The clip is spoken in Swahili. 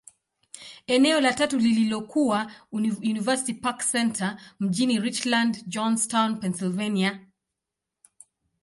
Eneo la tatu lililokuwa University Park Centre, mjini Richland, Johnstown, Pennyslvania.